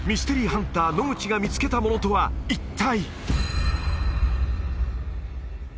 ハンター野口が見つけたものとは一体？